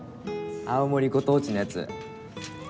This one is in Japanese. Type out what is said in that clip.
青森ご当地のやつ。